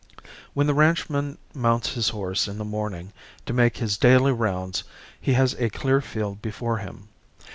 When the ranchman mounts his horse in the morning to make his daily rounds he has a clear field before him.